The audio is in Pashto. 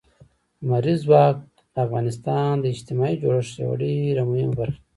لمریز ځواک د افغانستان د اجتماعي جوړښت یوه ډېره مهمه برخه ده.